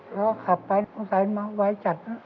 เราขับไปตอนสายมาไว้จัด